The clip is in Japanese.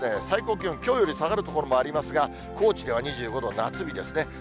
最高気温、きょうより下がる所もありますが、高知では２５度、夏日ですね。